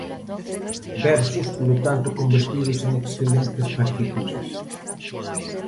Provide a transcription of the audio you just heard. Versos, polo tanto, convertidos en excelentes partituras.